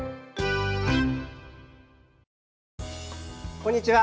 こんにちは。